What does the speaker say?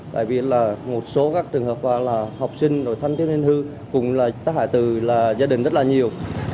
tại vì là một số các trường hợp là học sinh thân thiết nhân hư cũng là tác hại từ là gia đình rất là nhiều